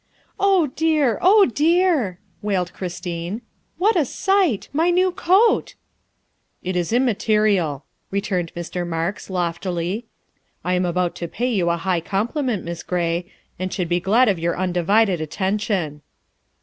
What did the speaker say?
" Oh, dear, oh, dear," wailed Christine, " what a sight ! my new coat !''" It is immaterial," returned Mr. Marks loftily. " I am about to pay you a high compliment, Miss Gray, and should be glad of your undivided attention."